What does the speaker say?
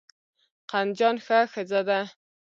قندجان ښه ښځه ده.